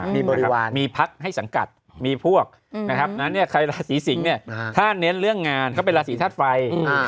มีบริวารมีพักให้สังกัดมีพวกใครราศีสิงห์ถ้าเน้นเรื่องงานก็เป็นราศีทาศไฟ